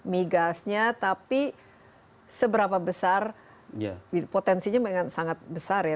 migasnya tapi seberapa besar potensinya memang sangat besar ya